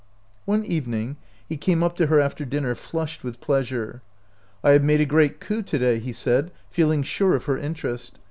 One evening he came up to her after din ner flushed with pleasure. " I have made a great coup to day," he said, feeling sure of her interest.